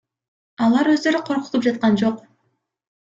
Алар өздөрү коркутуп жаткан жок.